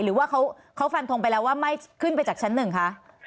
หรือว่าเขาฟันทงไปแล้วว่าไม่ขึ้นไปจากชั้นหนึ่งคะ